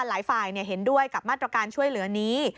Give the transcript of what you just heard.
ไฟไฟเห็นด้วยกับมาตรการช่วยเหลือนี้